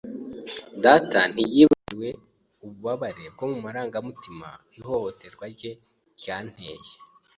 Data ntiyibagiwe ububabare bwo mumarangamutima ihohoterwa rye ryanteye.